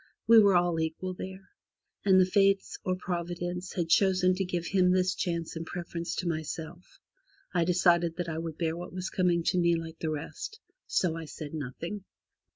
We were all equal there, and the Fates, or Providence, had chosen to give him this chance in preference to myself. I decided that I would bear what was coming to me like the rest, so I said nothing.